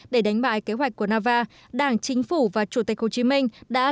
để đánh bại kế hoạch của navarre đảng chính phủ và chủ tịch hồ chí minh vĩ đại